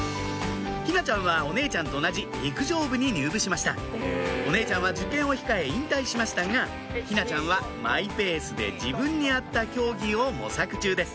・陽菜ちゃんはお姉ちゃんと同じ陸上部に入部しましたお姉ちゃんは受験を控え引退しましたが陽菜ちゃんはマイペースで自分に合った競技を模索中です